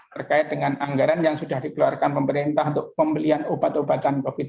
terkait dengan anggaran yang sudah dikeluarkan pemerintah untuk pembelian obat obatan covid sembilan belas